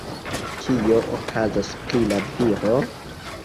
Kio okazas pri la viro?